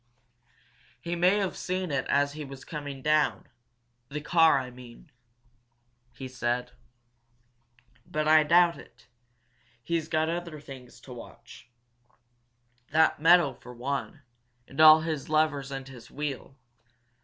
"He may have seen it as he was coming down the car, I mean," he said. "But I doubt it. He's got other things to watch. That meadow for one and all his levers and his wheel.